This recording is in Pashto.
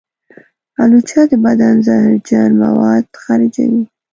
الوچه د بدن زهرجن مواد خارجوي.